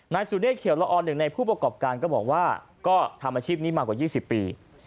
นายสุเดชเขียวละออนหนึ่งในผู้ประกอบการก็บอกว่าก็ทำอาชีพนี้มากว่า๒๐ปี